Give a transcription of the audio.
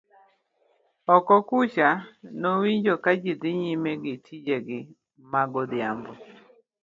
oko kucho nowinjo ka ji dhi nyime gi tije gi ma godhiambo